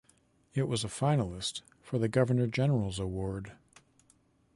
It was a finalist for the Governor General's Award.